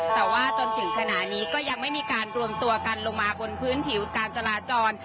แต่ว่าจนถึงขณะนี้ก็ยังไม่มีการรวมตัวกันลงมาบนพื้นผิวการจราจร